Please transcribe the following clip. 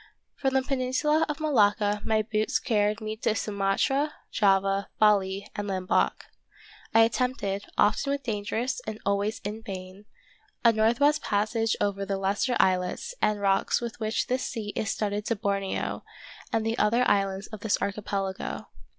From the peninsula of Malacca my boots car ried me to Sumatra, Java, Bali, and Lamboc. I attempted, often with danger and always in vain, a northwest passage over the lesser islets and rocks with which this sea is studded to Borneo and the other islands of this archipelago.